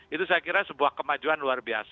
itu saya kira sebuah kemajuan luar biasa